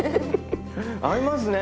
合いますね！